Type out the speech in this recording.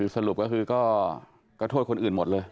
สรุปก็คือก็โทษคนอื่นหมดเลย